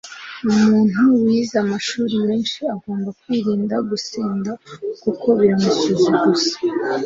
umuntu wize amashuri menshi agomba kwirinda gusinda kuko biramusuzuguza